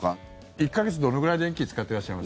１か月どのくらい電気使ってらっしゃいます？